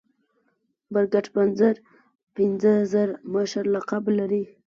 برګډ پنځر پنځه زر مشر لقب لري.